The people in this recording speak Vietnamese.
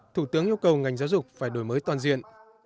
thủ tướng yêu cầu ngành giáo dục phải đổi mới toàn diện